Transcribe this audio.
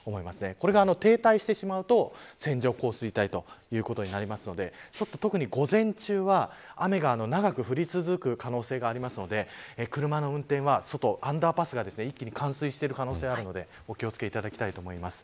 これが停滞してしまうと線状降水帯ということになるので特に午前中は雨が長く降り続く可能性があるので車の運転は、外、アンダーパスが一気に冠水している可能性があるのでお気を付けいただきたいと思います。